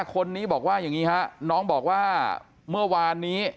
๕คนนี้บอกว่าเงี้ยนี่ครับน้องบอกว่าเมื่อวานนี้